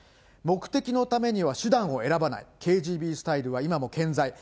目的のためには手段を選ばない、ＫＧＢスタイルは今も健在。